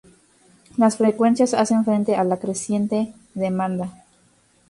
Las frecuencias hacen frente a la creciente demanda.